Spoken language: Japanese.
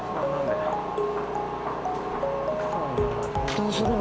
どうするの？